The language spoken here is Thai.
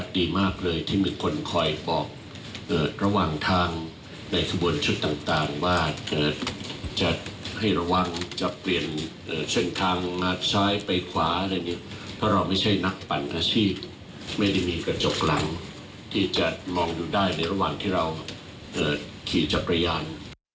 ที่มีกระจกหลังที่จะมองอยู่ได้ในระหว่างที่เราขี่จักรยาน